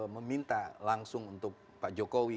meminta langsung untuk pak jokowi